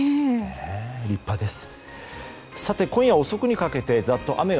立派です。